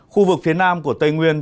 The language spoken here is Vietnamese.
khu vực phía nam của tây nguyên